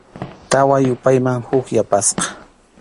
Tawa yupayman huk yapasqa.